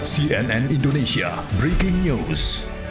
cnn indonesia breaking news